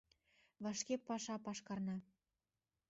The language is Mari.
— Вашке паша пашкарна...